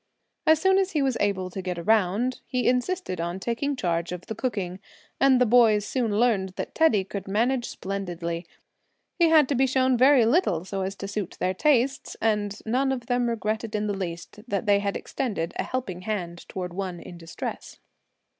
As soon as he was able to get around he insisted on taking charge of the cooking. And the boys soon learned that Teddy could manage splendidly. He had to be shown very little so as to suit their tastes; and none of them regretted in the least that they had extended a helping hand toward one in distress.